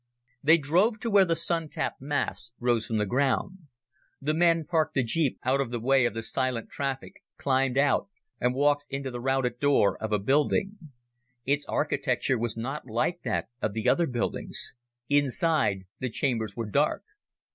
They drove to where the Sun tap masts rose from the ground. The men parked the jeep out of the way of the silent traffic, climbed out and walked into the rounded door of a building. Its architecture was not like that of the other buildings. Inside the chambers were dark.